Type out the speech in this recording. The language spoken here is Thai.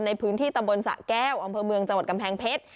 ในพื้นที่ตำบลสะแก้วอำเภอเมืองจังหวัดกำแพงเพชร